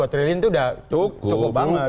dua triliun itu udah cukup banget